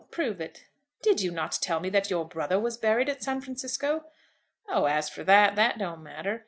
Prove it." "Did you not tell me that your brother was buried at San Francisco?" "Oh, as for that, that don't matter.